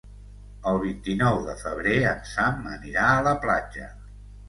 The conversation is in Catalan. El vint-i-nou de febrer en Sam anirà a la platja.